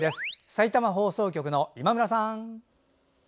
さいたま放送局の今村さん。